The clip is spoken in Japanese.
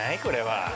これは。